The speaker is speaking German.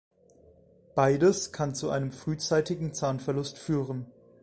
Beides kann zu einem frühzeitigen Zahnverlust führen.